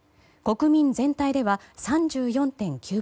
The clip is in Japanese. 国民全体では３４．９％。